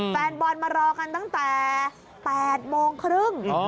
แฟนบอลมารอกันตั้งแต่๘โมงครึ่ง